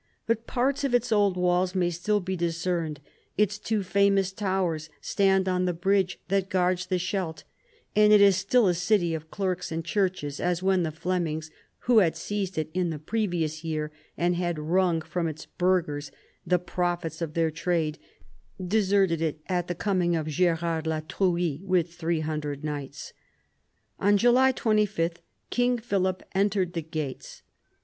But parts of its old walls may still be discerned, its two famous towers stand on the bridge that guards the Scheldt, and it is still a city of clerks and churches, as when the Flemings who had seized it in the previous year and had wrung from its burghers the profits of their trade deserted it at the coming of Gerard La Truie with 300 knights. On July 25 King Philip entered the gates.